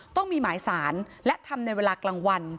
ต้องมีหมายสารและทำในเวลากลางวัน